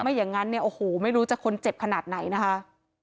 อย่างนั้นเนี่ยโอ้โหไม่รู้จะคนเจ็บขนาดไหนนะคะ